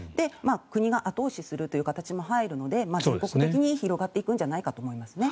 国が後押しするという形も入るので全国的に広がっていくんじゃないかと思います。